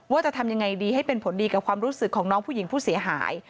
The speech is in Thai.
ว่าจะทำยังไงดีให้เป็นผลดีกับความรู้สึกของน้องผู้หญิงผู้เสียหาย